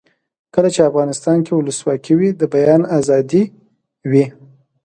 کله چې افغانستان کې ولسواکي وي د بیان آزادي وي.